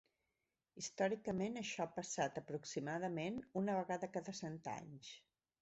Històricament això ha passat aproximadament una vegada cada cent anys.